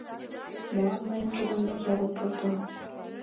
Молан мыйым тудын деке огыт пурто?